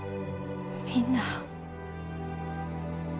みんな。